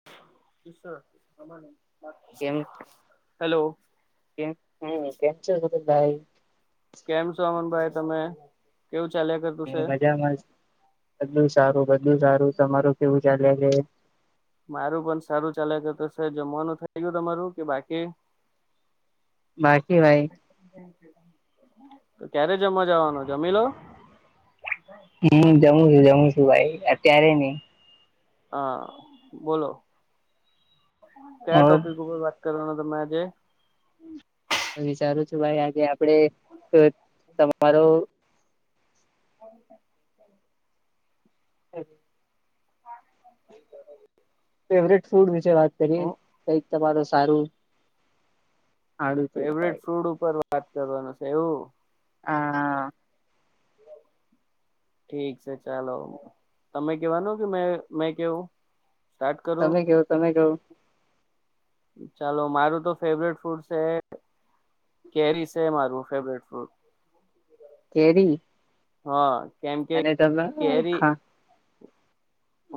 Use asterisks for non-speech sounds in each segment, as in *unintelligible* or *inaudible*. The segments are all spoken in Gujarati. *unintelligible* એનું હેલો કેમ હ કેમ છો હિતેશભાઈ? કેમ છો અમનભાઈ તમે? કેવું ચાલે કર? મજામાં બધું સારું બધુ સારું તમારું કેવું ચાલે છે? મારું પણ સારું ચાલે તો સાહેબ જમવાનું થઇ ગયું તમારું કે બાકી? બાકી ભાઈ. તો ક્યારે જમવા જવાના? જમીલો. હમ્મ જાઉ છું જાઉ છું ભાઈ અત્યારે ની. હા, બોલો ક્યા ઓર ટોપિક ઉપર વાત કરવાના તમે આજે? હ, વિચારું છું ભાઈ આજે આપડે તમારુ *inaudible* *inaudible* ફેવરેટ ફૂડ વિશે વાત કરીએ હું કંઈક તમારું સારું ખાડું છે ભાઈ ફેવરેટ ફૂડ ઉપર વાત કરવાના છે એવું? આ. ઠીક શે ચાલો તમે કેવાનું કે મે મેં કેઉ?? સ્ટાર્ટ કરું? તમે કેવો તમે કેવો ચાલો મારું તો ફેવરેટ ફૂડ શે કેરી શે મારું ફેવરેટ ફ્રૂટ. કેરી? હ કેમ કે અને તમે કેરી હા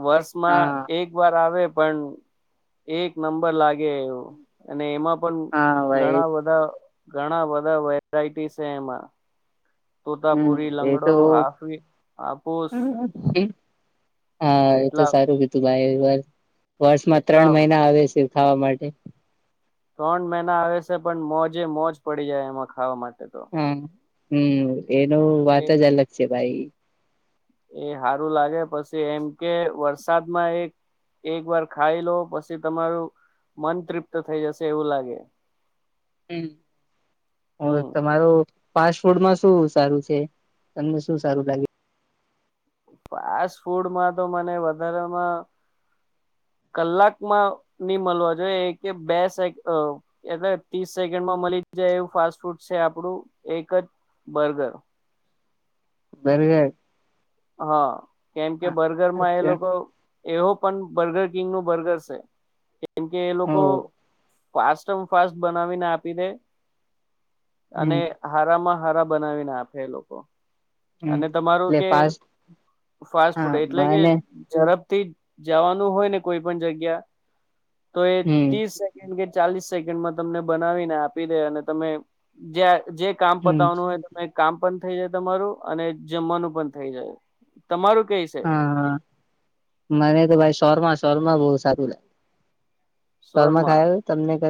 વર્ષમાં હા એકવાર આવે પણ એક નંબર લાગે એવું. અને એમાં પણ ભાઈ ઘણાં બધાં ઘણાં બધાં વેરાયટી શે એમાં. હમ તોતાપુરી, એ લંગડો, તો હાફી હાફુસ. હા, એ તો સારું કીધું ભાઈ વર વર્ષમાં એટલા ત્રણ મહિના આવે છે ખાવા માટે. ત્રણ મહિના આવે છે પણ મોજે મોજ પડી જાય એમાં ખાવા માટે તો. હા, હમ્મ એનું વાત એ જ અલગ છે ભાઈ. એ હારું લાગે પછી એમ કે વરસાદમાં એક એક વાર ખાઈ લો પસી તમારું મન તૃપ્ત થઈ જશે એવું લાગે. *unintelligible* હમ તમારુ ફાસ્ટ ફૂડમાં શું સારું છે? તમને શું સારું લાગે? ફાસ્ટ ફૂડમાં તો મને વધારામાં કલાકમાં ની મલવા જોઈએ એ કે બે સેક એટલે ત્રીસ સેકન્ડમાં મલી જ જાય એવું ફાસ્ટ ફૂડ શે આપડું એક જ બર્ગર. બઞૅર. હા, કેમ કે બર્ગરમાં એ અચ્છા લોકો એવો પણ બર્ગર કિંગનું બર્ગર છે. કેમ કે એ ઓ લોકો ફાસ્ટ એમ ફાસ્ટ બનાવીને આપી દે અને હમ હારામાં હારા બનાવીને આપે એ લોકો. હમ અને તમારું એટલે કે ફાસ્ટ ફાસ્ટ હા ફૂડ એટલે કે મને ઝડપ થી જવાનું હોય ને કોઈ પણ જગ્યા તો એ હમ તીસ મ કે ચાલીસ સેકન્ડમાં તમને બનાવીને આપી દે અને તમે જ્યાંજે કામ હમ પતાવનું હોય તમે કામ પણ થઈ જાય તમારું અને જમવાનું પણ થઈ જાય. તમારું કઈ સે? હા મને તો ભાઈ શોરમા, શોરમા બહુ સારું લાગે. શોરમા શોરમાં ખાય. તમને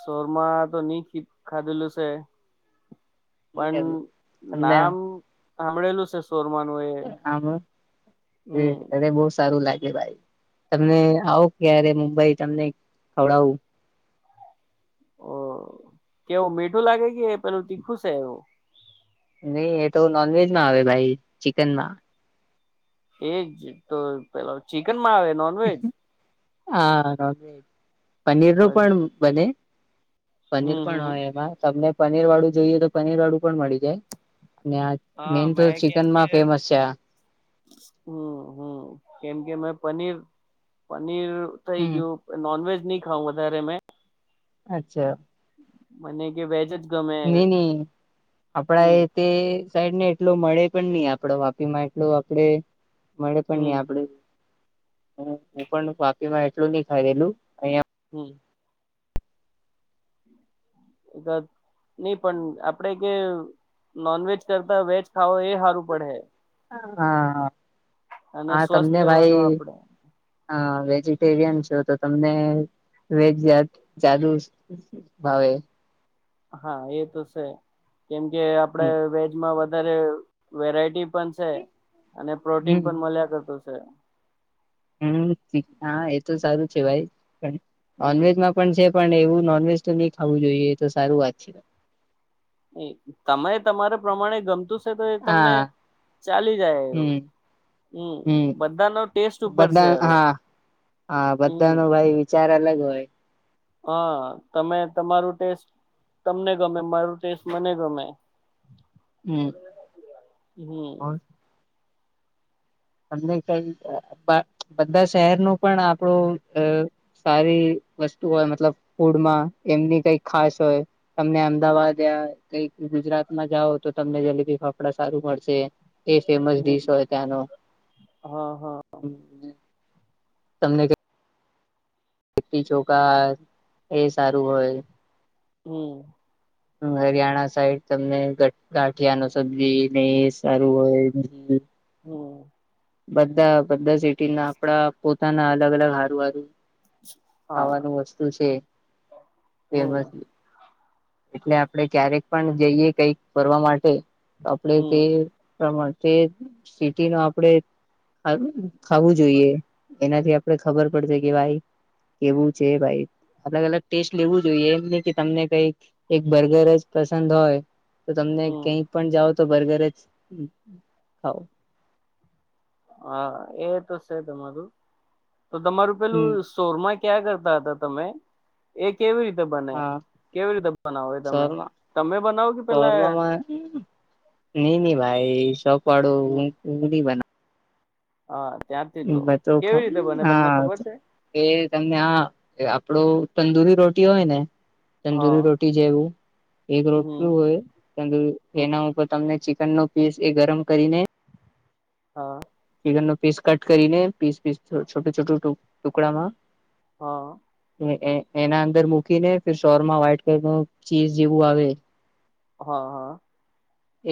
શોરમાં તો નહી ખી ખાધેલું સે. પણ તમને નામ સાંભળેલું છે શોરમાનું એ. આમ હમ એ બહુ સારું લાગે ભાઈ. તમને આવો ક્યારે મુંબઈ તમને ખવડાવું. ઓ કેવું મીઠું લાગે કે પેલું તીખું સે એવું. નહી એ તો નોનવેજમાં આવે ભાઈ ચિકનમાં. એજ તો પેલો ચિકનમાં આવે ન હા, પનીરનું પણ હમ બને. પનીર પણ હમ હોય એમાં. તમને પનીર વાળું જોઈએ તો પનીર વાળું પણ મળી જાય ને આ હા મેન તો ચિકનમાં ફેમસ છે આ. હમ્મ હમ્મ કેમ કે મેં પનીર પનીર થઇ હમ ગયું. નોનવેજ નહી ખાઉં વધારે મેં. અચ્છા. મને કે વેજ જ ગમે નઈ નહી આપડા હમ એ તે સાઈડને એટલો મળે પણ નહી આપડો વાપીમાં એટલો આપડે મળે પણ નહી હમ આપડે. હું, પણ વાપીમાં એટલું નહી ખાઈધેલું. હમ્મ નહી પણ આપડે કે નોનવેેજ કરતા વેજ ખાવઓ એ સારું પડહે હા. હ અને હા, સ્વસ્થ તમને રહેવાનું ભાઈ. આપડે હા, વેજીિટેરિયન છો તો તમને વેજ જાદુ ભાવે. હા, એ તો છે. કેમકે આપડે હમ વેજમાં વધારે વેરાયટી પણ છે અને પ્રોટીન હમ પણ મળ્યા કરતું છે. હમ તીખા એ તો સારું છે ભાઈ પણ હમ નોનવેજમાં. પણ છે પણ એવું નોનવેજ તો નહી ખાવું જોઈએ તો સારું વાત છે. એ તમે તમારે પ્રમાણે ગમતું તો એ તમને હા ચાલી જાય એવું. હમ હમ બધાનો ટેસ્ટ ઉપર બધા છે હવે. હા હા બધા નો ભાઈ હમ વિચાર અલગ હોય. હા તમે તમારું ટેસ્ટ. તમને ગમે મારૂ ટેસ્ટ મને ગમે. હમ્મ હમ્મ *unintelligible* તમને કઈ બધા શહેર નું પણ આપણું. સારી વસ્તુ હોય મતલબ ફૂડમાં એમની કઈ ખાસ હોય. તમને અમદાવાદયા કઈક ગુજરાતમાં જાઓ તો તમને જલેબી ફાફડા સારું મળશે. એ ફેમસ ડીશ હોય ત્યાંનો. હ હ. *unintelligible* તમને કઈ. લીટી ચોખા એ સારું હોય. હમ. હરિયાણા સાઈડ તમને ગાંઠિયા નું સબ્જી ને એ સારું હોય. હમ. બધા બધા સિટી ના આપડા પોતાના અલગ અલગ હારું હારું. હા ખાવાનું વસ્તુ છે ફેમસ. હમ એટલે આપણેે ક્યારેક પણ જઈએ કઈક ફરવા માટે તો આપણે કે. હમ પ્રમાણ તે સિટી નું આપણેે. ખા ખાવું જોઈએ એનાથી આપડે ખબર પડશે કે ભાઈ. કેવું છે ભાઈ. અલગ અલગ ટેસ્ટ લેવું જોઈએ એમ નઇ કે તમને કઈક એક બર્ગર જ પસંદ હોય. તો તમને હમ કઈ પણ જાઓ તો બર્ગર જ ખાવ. હા એ તો છે તમારું તો તમારું પેલું. હમ સોરમાં ક્યાં કરતા હતા તમે. એ કેવી રીતે બને હા કેવી રીતે બનાવો એ તમે શોરમાં તમે બનાવો કે પેલા. શોરમામાં નઈ નહી ભાઈ શોક વાળો હમ હું ની બનાવ. હા ત્યાંથી જ લો તો કેવી રીતે બને તમને ખબર હા છે. એ તમને આ આપડો તંદુરી રોટી હોય ને. તંદુરી હા રોટી જેવું એક રોટલુ હમ હોય તંદુરી હમ એના ઉપર. તમને ચિકન નો પીસ એ ગરમ કરીને. હા. ચિકન નું પીસ કટ કરીને પીસ પીસ છોટું છોટું ટુકડામાં. હા. એના અંદર મૂકીને સોર માં વ્હાઈટ કંઈક ચીઝ જેવું આવે. હા હા.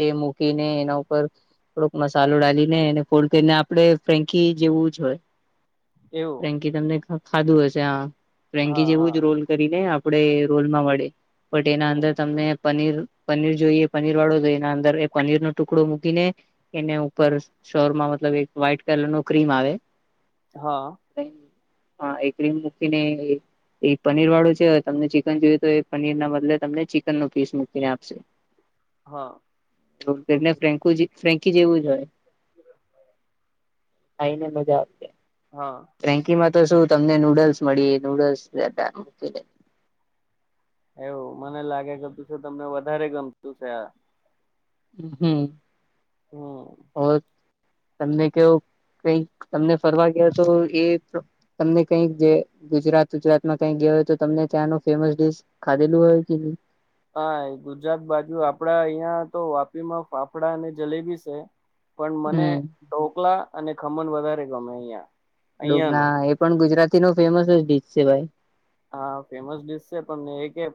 એ મૂકીને એના ઉપર. થોડોક મસાલો ડાલીને એને ફોલ્ડ કરીને આપડે ફ્રેન્કી જેવું જ હોય. એવું. કે તમને ખાધું હશે આમ ફ્રેન્કી હા જેવું હા જ રોલ કરી ને આપડે રોલમાં વડે. એનાં હમ અંદર તમને પનીર પનીર જોઈએ પનીર વાળો જોઈએ. એના અંદર એ પનીર નો ટુકડો મૂકીને એને ઉપર હમ, શોર માં મતલબ. વ્હાઈટ કલર નું ક્રીમ આવે. હા. હ એ ક્રીમ મૂકીને એ. એ પનીર વાળું છે હવે તમને ચિકન જોવે તો એ પનીર ના બદલે તમને ચિકન નો પીસ મૂકીને આપશે. હા. ફ્રેન્કુજી ફ્રેન્કી જેવું જ હોય. ખાઈ ને મજા આવશે. હા. ફ્રેન્કી માં તો શું તમને નૂડલ્સ મળી નૂડલ્સ રેતા મૂકી દે. એવું મને લાગે કે તું છે તમને વધારે ગમતું છે આ. હમ્મ હમ હવે તમને કેવું. કઈક તમને ફરવા ગયા તો એક. તમને કંઈક જે, ગુજરાત, ગુજરાતમાં કંઈક ગયા હોય તો તમને ત્યાંનો ફેમસ ડીશ ખાધેલું હોય કે ની? હા એ ગુજરાત બાજુ આપડા અહિયાં તો વાપી માં ફાફડા અને જલેબી સે. પણ મને હમ ઢોકલા અને ખમણ વધારે ગમે અહિયાં. અહિયાંનું ડોગના એ પણ ગુજરાતી નો ફેમસ જ ડીસ છે ભાઈ. હા ફેમસ ડીશ છે, પણ મે એ કેમ,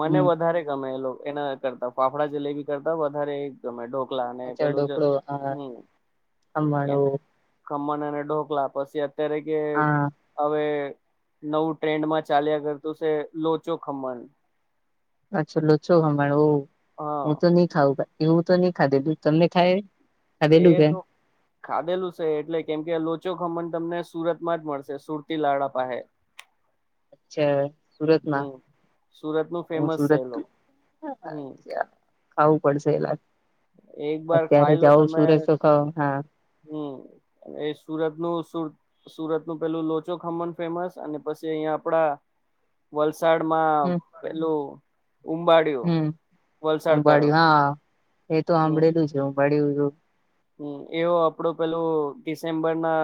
મને હમ વધારે ગમે એ લો એના કરતા ફાફડા જલેબી કરતા વધારે ગમે ઢોકલા ને અચ્છા પેલું જે, ડોકડો હા હમ્મ એમ હમણું ખમણ અને ઢોકલા. પછી અત્યારે કે હા હવે નવું ટ્રેન્ડમાં ચાલ્યા કરતું છે, લોચો ખમન. અચ્છા લોચો ખમણ, હો હા હું તો ની ખાઉં ભાઈ, એવુ તો ની ખાધેલું. તમને ખાએ એ તો ખાધેલું સે, એટલે કેમ કે લોચો ખમણ તમને સુરત માં જ મળશે, સુરતી લાડા પાહે. કે સુરતમાં હમ્મ, સુરતનું હું ફેમસ છે સુરત એ લોક હમ્મ. ખાવું પડશે એ લાગ એક બાર ખાઈ લો તમે, તો ખ હા હમ્મ. એ સુરતનું સુર સુરત નું પેલું લોચો ખમણ ફેમસ, અને પસી અહિયાં આપડા વલસાડમાં પેલું ઉંબાડ હમ્મ, ઉંબાડિયું, હા એ તો હાંભળેલું છે ઉંબાડિયું તો. હમ્મ, એવો આપડું પેલું ડિસેમ્બર ના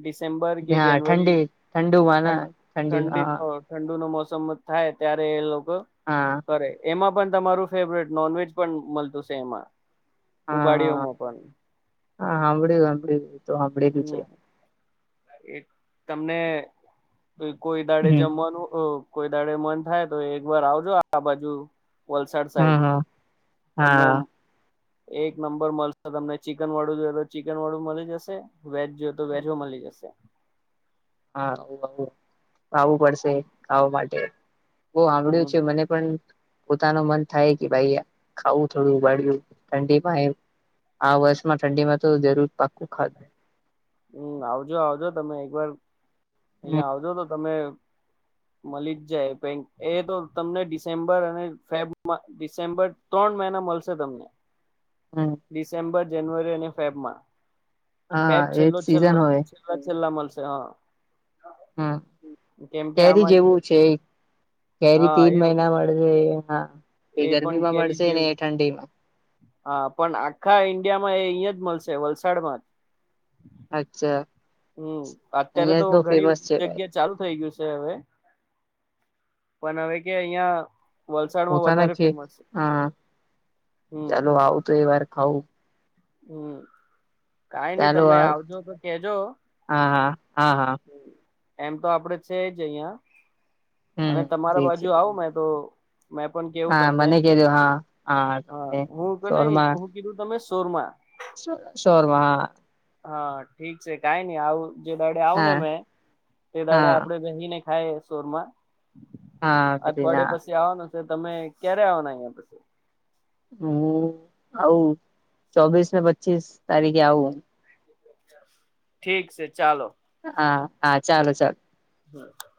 ડિસેમ્બર કે હા જનવરી ઠંડી ઠંડુમાં ઠં ના ઠંડી હા *unintelligible* ઠંડુ નો મોસમ થાય, ત્યારે એ લોકો હા. કરે, એમાં પણ તમારું ફેવરેટ નોનવેજ પણ મલતું સે એમાં. હા ઉબાડીયોમાં પન. હા, હાંભળ્યું હાંભળ્યું. હમ્મ, એક તમને કોઈ કોઈ દાડે હમ જમવાનું, અ કોઈ દાડે મન થાય તો એક વાર આવજો આ આ બાજુ વલસાડ હા સાઈડ, હા તમને હા એક નંબર મલશે તમને, ચિકન વાળું જોએ તો ચિકન વાળું મલી જશે. વેજ જોયે તો વેજ હો મલી જશે. હા, આવું આવું, આવું પડશે ખાવા માટે. બો હાંભળ્યું હમ છે, મને પન પોતાનું મન થાય કે ભાઈ, ખાવું થોડું ઉંબાડિયું ઠંડીમાં એમ. આ વર્ષમાં ઠંડીમાં તો જરૂર પાક્કું ખાધ હમ, આવજો આવજો તમે એક વાર. હમ અહિયાં આવજો તો તમે મલી જ જાય, પેઈ એ તો તમને ડિસેમ્બર અને ફેબ માં, ડિસેમ્બર તણ મહિના મલશે તમને. હમ. ડિસેમ્બર જાનુઆરી અને ફેબમાં. હા ફેબ એજ છેલ્લો છેલ્લો સીઝન હોય છેલ્લા છેલ્લા મલશે હા. હમ, કેમ કે કેરી આમાં કે જેવું છે ઈ? કેરી હા તીન એ મહિના મળશે હા. એ પણ ગરમી માં કેરી મળશે ને જેવું એ ઠંડીમાં. હા પણ આખા ઈન્ડિયામાં એ અહીયાં જ મળશે વલસાડમાં જ. અચ્છા *inaudible* હમ અત્યારે અહિયાં તો બઉ ઘણી ફેમસ છે ભાઈ જગ્યા. ચાલુ થઈ ગ્યું છે હવે, પણ હવે કે અહિયાં વલસાડમાં પોતાના વધારે ખે ફેમસ છે, હા હમ. ચાલો આવું તો એ વાર ખાવું. હમ. કાંઈ ની, ચાલો તમે આ આવજો તો કેજો. હા હા હા હા એમ તો આપડે છે જ અહિયાં અને હમ તમારા ઠીક છે બાજુ આવું મે તો. મે પણ. કેવું હા તમને મને કેજો હા. હા હું ક ન હું કીધું તમે સોરમાં. શ શોરમાં. હા ઠીક છે કઈ નઈ આવું જે દાડે આવ ને હા મેં તે દાડે હા આપડે બેહીને. થાયે સોરમાં હા હા અઠવાડિયે પછી આવવાનું. તમે ક્યારે આવવાના અહિયાં પછી. હું આવુ ચોવીશ ને પચીસ તારીખે આવુ. ઠીક છે ચાલો. હા હા ચાલો ચાલ. *unintelligible*